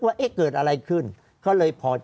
ภารกิจสรรค์ภารกิจสรรค์